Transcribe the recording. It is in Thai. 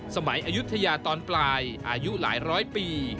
อายุทยาตอนปลายอายุหลายร้อยปี